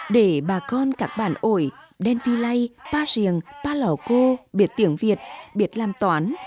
để bà con các bản ổi đen vi lây ba riêng ba lò cô biết tiếng việt biết làm toán